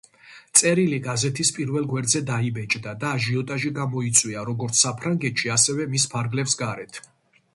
წერილი გაზეთის პირველ გვერდზე დაიბეჭდა და აჟიოტაჟი გამოიწვია, როგორც საფრანგეთში, ასევე მის ფარგლებს გარეთ.